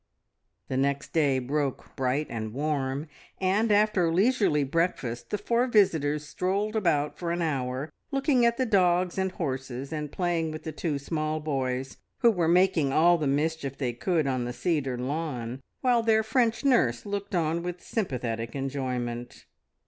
The next day broke bright and warm, and after a leisurely breakfast the four visitors strolled about for an hour, looking at the dogs and horses and playing with the two small boys, who were making all the mischief they could on the cedar lawn, while their French nurse looked on with sympathetic enjoyment.